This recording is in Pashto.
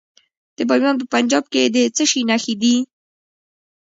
د بامیان په پنجاب کې د څه شي نښې دي؟